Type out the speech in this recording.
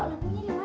kok lampunya dimana